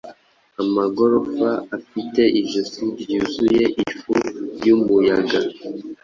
Amagorofa afite ijosi ryuzuye ifu yumuyaga